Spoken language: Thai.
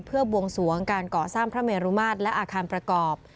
เพื่อบวงสวงการก่อสร้างพระเมรุมาตรและอาคารประกอบ